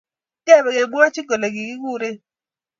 Ingepe kemwochin kole kikuren